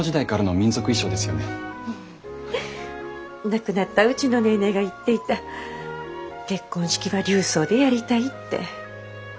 亡くなったうちのネーネーが言っていた「結婚式は琉装でやりたい」って。